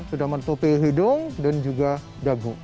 sudah menutupi hidung dan juga dagu